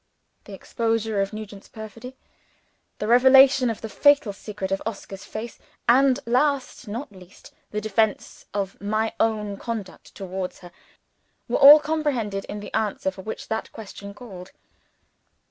The exposure of Nugent's perfidy; the revelation of the fatal secret of Oscar's face; and, last not least, the defence of my own conduct towards her, were all comprehended in the answer for which that question called.